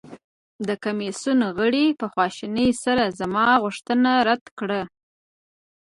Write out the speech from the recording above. د کمیسیون غړي په خواشینۍ سره زما غوښتنه رد کړه.